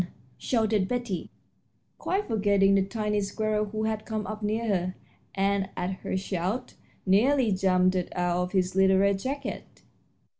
shouted Betty, quite forgetting the tiny squirrel who had come up near her, and, at her shout, nearly jumped out of his little red jacket.